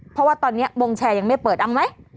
เพราะว่าตอนนี้วงแชร์ยังไม่เปิดอังไหม